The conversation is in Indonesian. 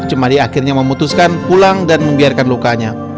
cemari akhirnya memutuskan pulang dan membiarkan lukanya